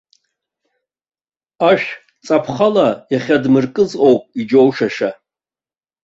Ашә цаԥхала иахьадмыркыз ауп иџьоушьаша.